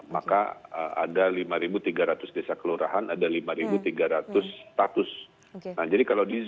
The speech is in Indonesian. maka ada lima tiga ratus desa kelurahan ada lima tiga ratus status